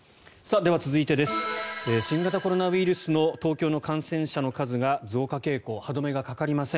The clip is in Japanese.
では、続いて新型コロナウイルスの東京の感染者の数が増加傾向に歯止めがかかりません。